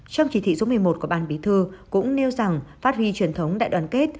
trong chỉ thị số một mươi một của ban bí thư cũng nêu rằng phát huy truyền thống đại đoàn kết